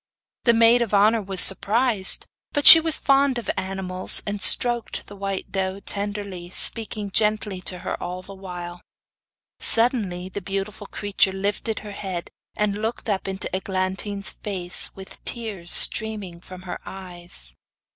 The maid of honour was surprised; but she was fond of animals, and stroked the white doe tenderly, speaking gently to her all the while. Suddenly the beautiful creature lifted her head, and looked up into Eglantine's face, with tears streaming from her eyes.